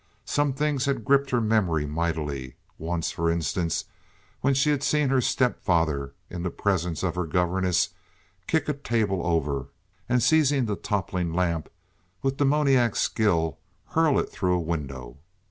Some things had gripped her memory mightily—once, for instance, when she had seen her stepfather, in the presence of her governess, kick a table over, and, seizing the toppling lamp with demoniac skill, hurl it through a window.